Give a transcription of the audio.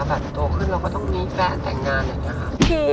แบบโตขึ้นเราก็ต้องมีแฟนแต่งงานอย่างเงี้ยค่ะ